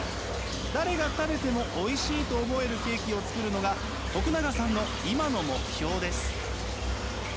誰が食べてもおいしいと思えるケーキを作るのが永さんの今の目標です。